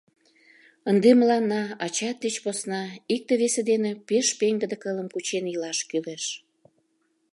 Ынде мыланна ачат деч посна икте-весе дене пеш пеҥгыде кылым кучен илаш кӱлеш!